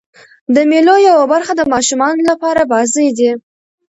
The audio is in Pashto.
د مېلو یوه برخه د ماشومانو له پاره بازۍ دي.